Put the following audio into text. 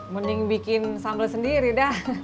mending bikin sambal sendiri dah